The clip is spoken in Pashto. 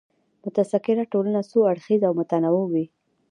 متکثره ټولنه څو اړخیزه او متنوع وي.